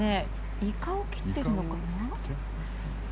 イカを切ってるのかな？